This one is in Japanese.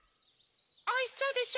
おいしそうでしょ？